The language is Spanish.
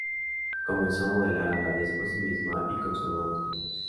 Comenzó a modelar a la vez por sí misma y con su hermano Spencer.